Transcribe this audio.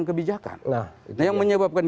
kebijakan nah yang menyebabkan